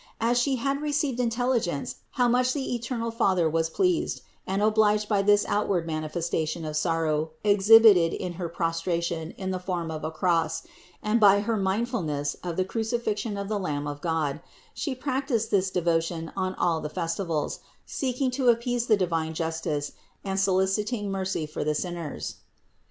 As She had received intelligence how much the eternal Father was pleased and obliged by this outward manifestation of sorrow exhibited in her prostration in the form of a cross, and by her mindful ness of the crucifixion of the Lamb of God, She prac ticed this devotion on all the festivals, seeking to appease the divine justice and soliciting mercy for the sinners.